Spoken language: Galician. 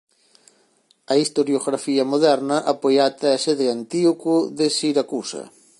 A historiografía moderna apoia a tese de Antíoco de Siracusa.